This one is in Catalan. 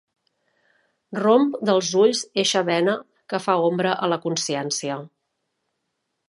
Romp dels ulls eixa bena que fa ombra a la consciència.